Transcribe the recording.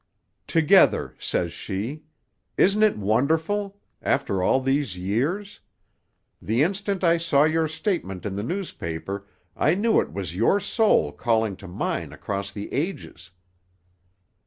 "'Together,' says she. 'Isn't it wonderful! After all these years. The instant I saw your statement in the newspaper I knew it was your soul calling to mine across the ages.